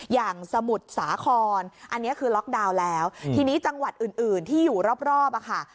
อย่างสมุทรสาครอันนี้คือล็อกดาวน์แล้วทีนี้จังหวัดอื่นอื่นที่อยู่รอบอะค่ะ